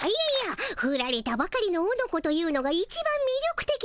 フラれたばかりのオノコというのがいちばんみりょくてきなのじゃ。